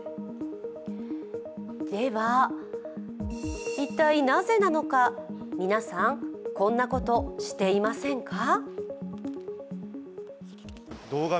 では、一体なぜなのか、皆さん、こんなこと、していませんか？